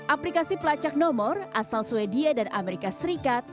aplikasi pelacak nomor asal sweden dan amerika serikat